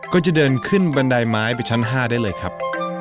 ก็จะเดินขึ้นบันไดไม้ไปชั้น๕ได้เลยครับ